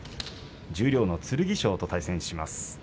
十両の剣翔と対戦します。